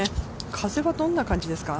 風はどんな感じですか？